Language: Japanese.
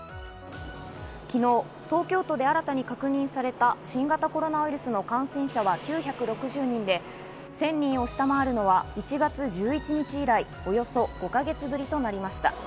昨日、東京都で新たに確認された新型コロナウイルスの感染者が９６０人で、１０００人を下回るのは１月１１日以来、およそ５か月ぶりとなりました。